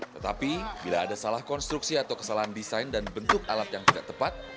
tetapi bila ada salah konstruksi atau kesalahan desain dan bentuk alat yang tidak tepat